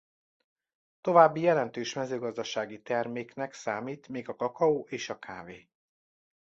További jelentős mezőgazdasági terméknek számít még a kakaó és a kávé.